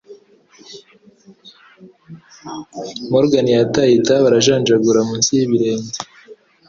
Morgan yataye itabi arajanjagura munsi y'ibirenge